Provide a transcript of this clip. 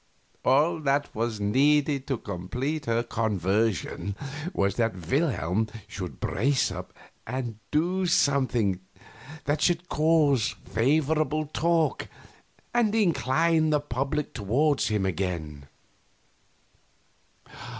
All that was needed to complete her conversion was that Wilhelm should brace up and do something that should cause favorable talk and incline the public toward him again.